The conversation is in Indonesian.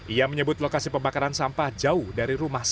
ia menyebut lokasi pembakaran sampah jauh dari rumahnya